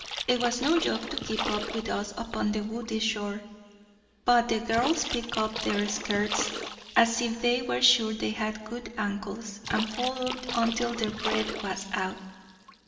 It was no joke to keep up with us upon the woody shore. But the girls picked up their skirts, as if they were sure they had good ankles, and followed until their breath was out.